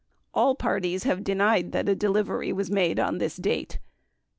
23 All parties have denied that a delivery was made on this date.